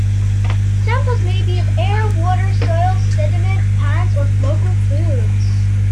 Samples may be of air, water, soil, sediment, plants or local foods.